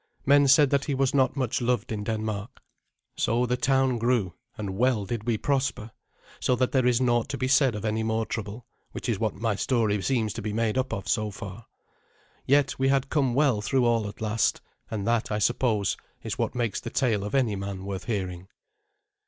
Men said that he was not much loved in Denmark. So the town grew, and well did we prosper, so that there is naught to be said of any more trouble, which is what my story seems to be made up of so far. Yet we had come well through all at last; and that, I suppose, is what makes the tale of any man worth hearing.